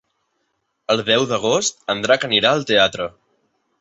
El deu d'agost en Drac anirà al teatre.